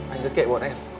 anh cứ kệ buồn em